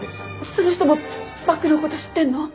その人もバッグのこと知ってんの？